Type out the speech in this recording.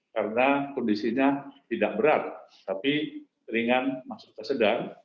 karena kondisinya tidak berat tapi ringan masuk kesedaran